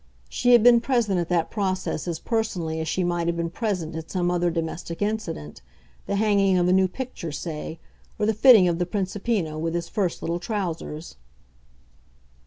She had been present at that process as personally as she might have been present at some other domestic incident the hanging of a new picture, say, or the fitting of the Principino with his first little trousers.